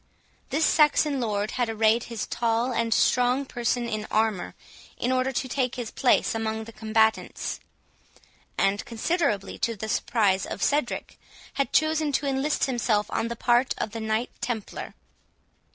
This Saxon lord had arrayed his tall and strong person in armour, in order to take his place among the combatants; and, considerably to the surprise of Cedric, had chosen to enlist himself on the part of the Knight Templar.